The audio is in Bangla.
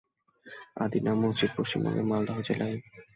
আদিনা মসজিদ পশ্চিমবঙ্গের মালদহ জেলার হযরত পান্ডুয়া বা ফিরুজাবাদে অবস্থিত।